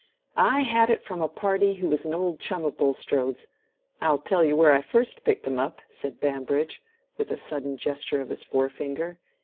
"I had it from a party who was an old chum of Bulstrode's. I'll tell you where I first picked him up," said Bambridge, with a sudden gesture of his fore finger.